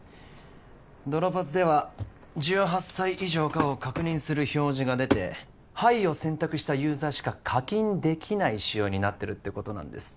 ドロパズでは１８歳以上かを確認する表示が出て「はい」を選択したユーザーしか課金できない仕様になってるってことなんです